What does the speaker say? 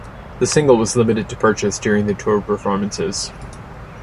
The single was limited to purchase during the tour performances.